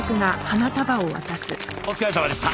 お疲れさまでした。